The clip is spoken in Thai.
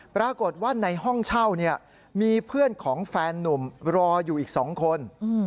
ปรากฏว่าในห้องเช่าเนี่ยมีเพื่อนของแฟนนุ่มรออยู่อีก๒คน